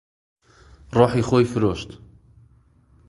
ڕۆحی خۆی فرۆشت.